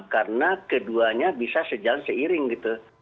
karena keduanya bisa sejalan seiring gitu